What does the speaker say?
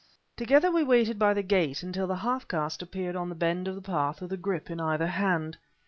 Together we waited by the gate until the half caste appeared on the bend of the path with a grip in either hand.